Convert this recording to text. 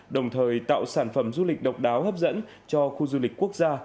đồng thời tạo sản phẩm du lịch độc đáo hấp dẫn cho khu du lịch quốc gia